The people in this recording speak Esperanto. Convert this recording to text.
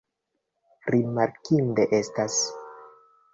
Rimarkinde estas.